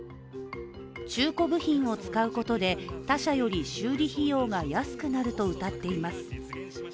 中古部品を使うことで他社より修理費用が安くなるとうたっています。